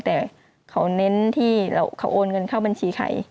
แต่เขาเน้นที่เขาโอนเงินเข้าบัญชีใคร